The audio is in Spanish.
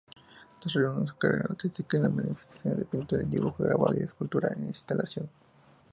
Desarrolló su carrera artística en las manifestaciones de pintura, dibujo, grabado, escultura e instalación.